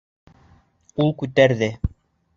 Ул күтәрҙе!